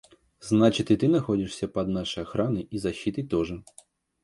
– Значит, и ты находишься под нашей охраной и защитой тоже.